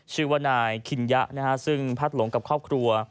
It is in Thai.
ชื่อว่านายคิญญะซึ่งพัดหลงกับครอบครัว